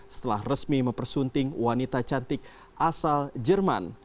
setelah resmi mempersunting wanita cantik asal jerman